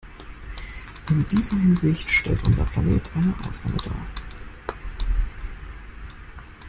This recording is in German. In dieser Hinsicht stellt unser Planet eine Ausnahme dar.